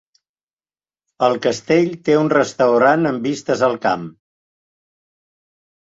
El castell té un restaurant amb vistes al camp.